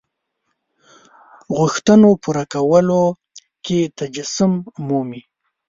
غوښتنو پوره کولو کې تجسم مومي.